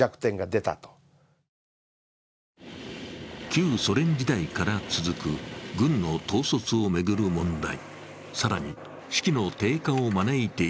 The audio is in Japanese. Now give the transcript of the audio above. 旧ソ連時代から続く軍の統率を巡る問題。